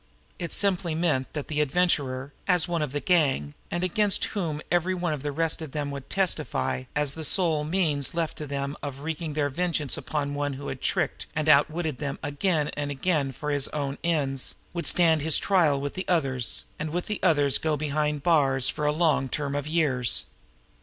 It simply meant that the Adventurer, as one of the gang, and against whom every one of the rest would testify as the sole means left to them of wreaking their vengeance upon one who had tricked and outwitted them again and again for his own ends, would stand his trial with the others, and with the others go behind prison bars for a long term of years.